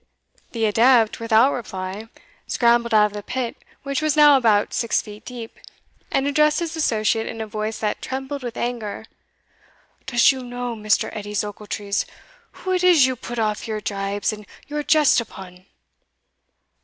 The adept, without reply, scrambled out of the pit, which was now about six feet deep, and addressed his associate in a voice that trembled with anger. "Does you know, Mr. Edies Ochiltrees, who it is you put off your gibes and your jests upon?"